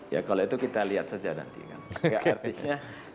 ya kalau itu kita lihat saja nanti kan